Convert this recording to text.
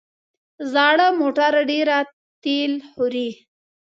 زاړه موټر ډېره تېل خوري.